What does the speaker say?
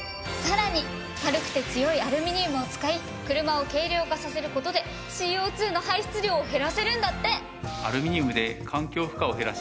さらに軽くて強いアルミニウムを使い車を軽量化させる事でＣＯ２の排出量を減らせるんだって。